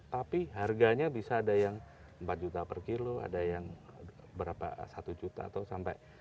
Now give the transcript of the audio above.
tapi harganya bisa ada yang empat juta per kilo ada yang berapa satu juta atau sampai